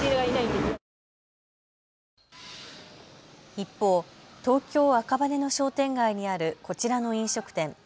一方、東京赤羽の商店街にあるこちらの飲食店。